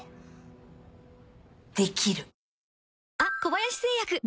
できる。